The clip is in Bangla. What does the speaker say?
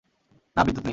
না, বিদ্যুৎ নেই।